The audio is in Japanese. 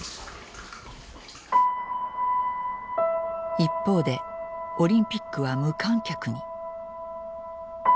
一方でオリンピックは無観客に。